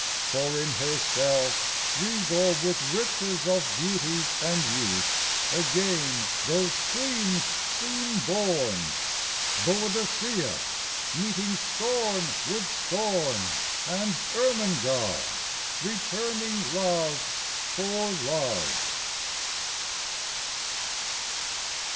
For in her self, regal with riches of Beauty and youth, again those Queens seem born BOADICEA, meeting scorn with scorn, And ERMENGARDE, returning love for love.